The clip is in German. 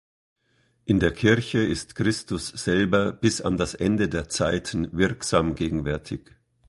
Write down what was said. In der Kirche ist Christus selber bis an das Ende der Zeiten wirksam gegenwärtig.